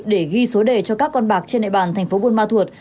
để ghi số đề cho các con bạc trên địa bàn thành phố bôn ma thuật